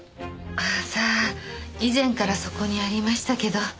さあ以前からそこにありましたけど。